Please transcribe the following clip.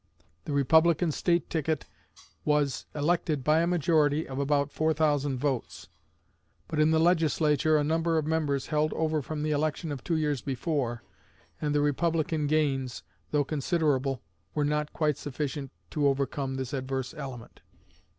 The Republican State ticket was elected by a majority of about 4,000 votes; but in the Legislature a number of members held over from the election of two years before, and the Republican gains, though considerable, were not quite sufficient to overcome this adverse element.